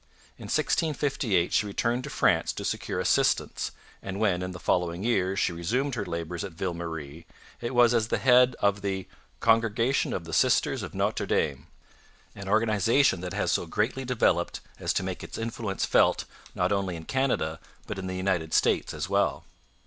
In 1658 she returned to France to secure assistants, and when, in the following year, she resumed her labours at Ville Marie, it was as the head of the 'Congregation of the Sisters of Notre Dame,' an organization that has so greatly developed as to make its influence felt, not only in Canada, but in the United States as well.